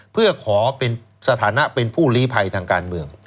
เพื่อขอเป็นสถานะเป็นผู้ลีภัยทางการเมือง